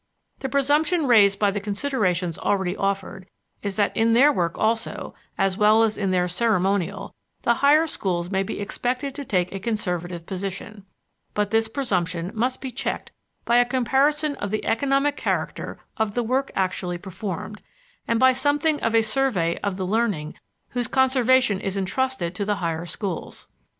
The presumption raised by the considerations already offered is that in their work also, as well as in their ceremonial, the higher schools may be expected to take a conservative position; but this presumption must be checked by a comparison of the economic character of the work actually performed, and by something of a survey of the learning whose conservation is intrusted to the higher schools.